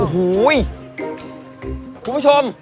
คุณผู้ชม